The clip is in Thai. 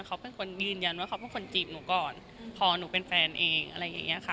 เขาเป็นคนยืนยันว่าเขาเป็นคนจีบหนูก่อนพอหนูเป็นแฟนเองอะไรอย่างเงี้ยค่ะ